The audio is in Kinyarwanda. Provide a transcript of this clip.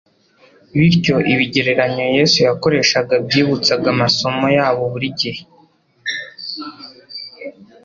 Bityo ibigereranyo Yesu yakoreshaga byibutsaga amasomo yabo buri gihe.